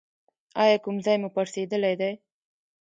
ایا کوم ځای مو پړسیدلی دی؟